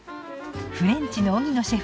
フレンチの荻野シェフ